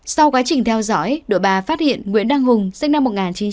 sau quá trình theo dõi đội bà phát hiện nguyễn đăng hùng sinh năm một nghìn chín trăm tám mươi